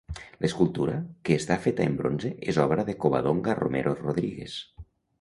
L'escultura, que està feta en bronze, és obra de Covadonga Romero Rodríguez.